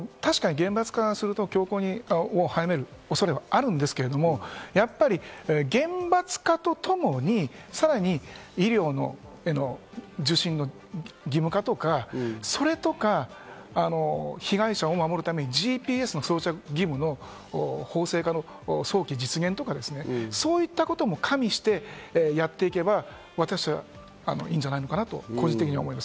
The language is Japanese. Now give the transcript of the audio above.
確かに厳罰化すると強行を早める恐れがあるんですけど、やっぱり厳罰化とともにさらに医療受診への義務化とか被害者を守るためにＧＰＳの装着義務の法制化の早期実現とか、そういったことも加味してやっていけば、私はいいんじゃないのかなと個人的に思います。